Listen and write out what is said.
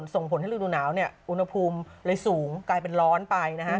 ส่งผลให้ฤดูหนาวอุณหภูมิเลยสูงกลายเป็นร้อนไป